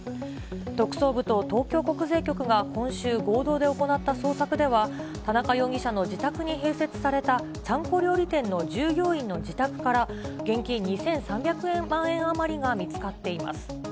特捜部と東京国税局が、今週、合同で行った捜索では、田中容疑者の自宅に併設されたちゃんこ料理店の従業員の自宅から、現金２３００万円余りが見つかっています。